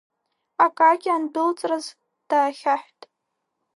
Акакьи андәылҵраз даахьаҳәт.